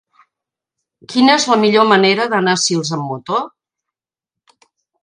Quina és la millor manera d'anar a Sils amb moto?